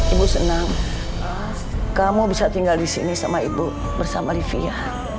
ibu senang kamu bisa tinggal di sini sama ibu bersama livia